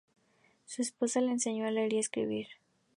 Su esposa le enseñó a leer y a escribir.